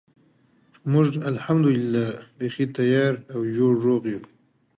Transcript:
It is also very late to mature.